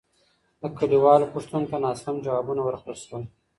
د کليوالو پوښتنو ته ناسم ځوابونه ورکړل سول.